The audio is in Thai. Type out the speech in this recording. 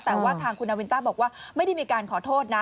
แต่ว่าทางคุณนาวินต้าบอกว่าไม่ได้มีการขอโทษนะ